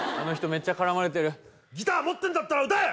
めっちゃ絡まれてるギター持ってるんだったら歌え！